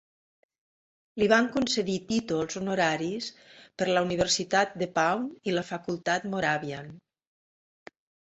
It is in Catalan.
Li van concedir títols honoraris per la Universitat DePauw i la Facultat Moravian.